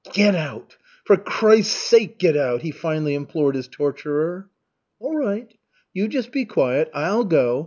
"Get out for Christ's sake, get out!" he finally implored his torturer. "All right, you just be quiet, I'll go.